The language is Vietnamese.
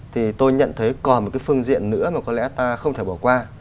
thì tôi nhận thấy còn một cái phương diện nữa mà có lẽ ta không thể bỏ qua